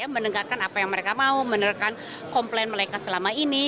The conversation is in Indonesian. menegakkan apa yang mereka mau menegakkan komplain mereka selama ini